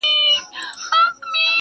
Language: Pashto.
هنر هنر سوم زرګري کوومه ښه کوومه.